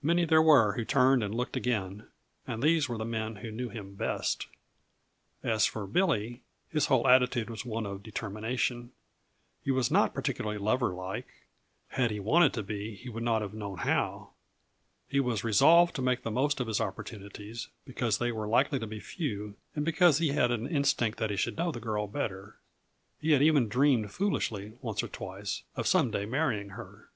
Many there were who turned and looked again and these were the men who knew him best. As for Billy, his whole attitude was one of determination; he was not particularly lover like had he wanted to be, he would not have known how. He was resolved to make the most of his opportunities, because they were likely to be few and because he had an instinct that he should know the girl better he had even dreamed foolishly, once or twice, of some day marrying her.